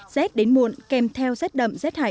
rét đến muộn kem theo rét đậm rét hải